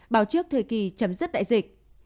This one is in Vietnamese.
báo trước thời kỳ chấm dứt đại dịch